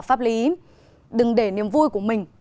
pháp lý đừng để niềm vui của mình